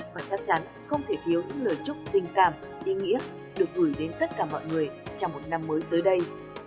và chắc chắn không thể thiếu những lời chúc tình cảm ý nghĩa được gửi đến tất cả mọi người trong một năm mới tới đây